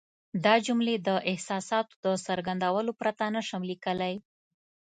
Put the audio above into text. دا جملې د احساساتو د څرګندولو پرته نه شم لیکلای.